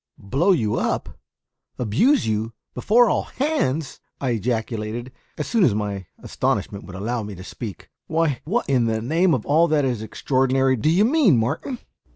"Blow you up? abuse you? before all hands?" I ejaculated, as soon as my astonishment would allow me to speak. "Why, what in the name of all that is extraordinary do you mean, Martin?"